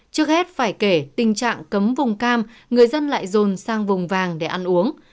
trước hết phải kể tình trạng cấm vùng cam người dân lại dồn sang vùng vàng để ăn uống